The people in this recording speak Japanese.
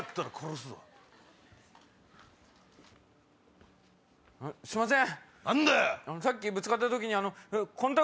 すいません。